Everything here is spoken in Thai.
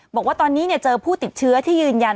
บอกว่าตอนนี้เจอผู้ติดเชื้อที่ยืนยัน